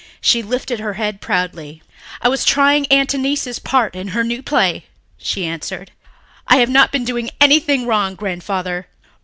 She lifted her head proudly. "I was trying Aunt Annice's part in her new play," she answered. "I have not been doing anything wrong, Grandfather."